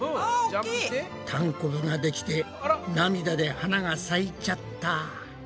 たんこぶができて涙で花が咲いちゃった。